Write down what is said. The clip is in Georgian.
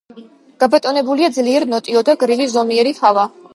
გაბატონებულია ძლიერ ნოტიო და გრილი ზომიერი ჰავა.